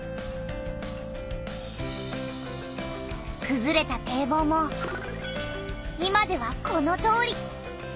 くずれた堤防も今ではこのとおり。